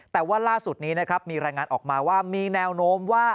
แต่ว่าล่าสุดนี้นะครับมีรายงานออกมาว่ามีแนวโน้มว่า